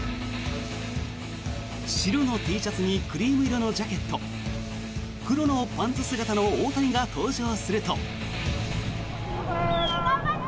白のＴシャツにクリーム色のジャケット黒のパンツ姿の大谷が登場すると。